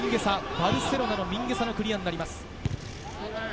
バルセロナのミンゲサのクリアでした。